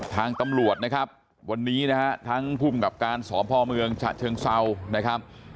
ทางตำรวจนะครับวันนี้นะฮะทั้งภูมิกับการสพเมืองฉะเชิงเซานะครับ